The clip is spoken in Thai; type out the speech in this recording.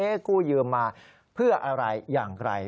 กู้ยืมมาเพื่ออะไรอย่างไร